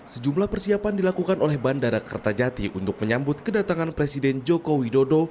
sejumlah persiapan dilakukan oleh bandara kertajati untuk menyambut kedatangan presiden joko widodo